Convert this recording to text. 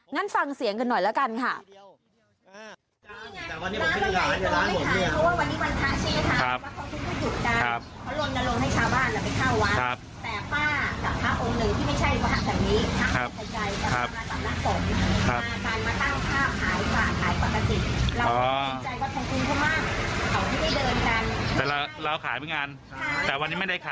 งั้นฟังเสียงกันหน่อยแล้วกันค่ะ